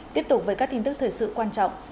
tiếp tục với các tin tức thời sự quan trọng